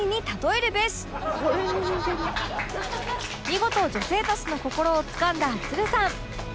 見事女性たちの心をつかんだつるさん